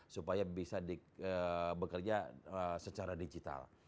supaya bisa bekerja secara digital